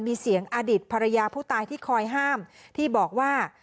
มีเสียงอดีตภรรยาผู้ตายที่คอยห้ามที่บอกว่า